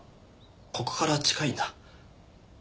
ここから近いんだ。